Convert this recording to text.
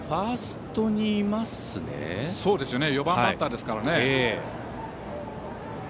４番バッターですからね。